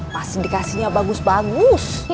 masih dikasihnya bagus bagus